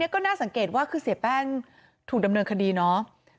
ก็น่าสังเกตว่าคือเสียแป้งถูกดำเนินคดีเนาะ